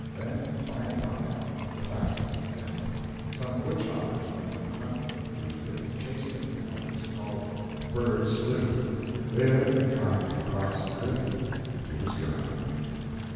Then, by and by, the facts leaked out. Some wood choppers went on a hunt for the fugitive and chased him to what was called Bird Slough. There, trying to cross a drift, he was drowned.